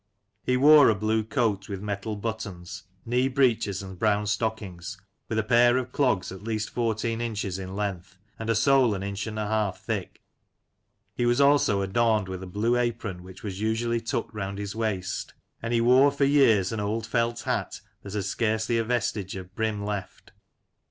He wore a blue coat with metal buttons, knee breeches and brown stockings, with a pair of clogs at least fourteen inches in length, and a sole an inch and a half thick. He was also adorned with a blue apron which was usually tucked round his waist, and he wore for years an old felt hat that had scarcely a vestige of brim left.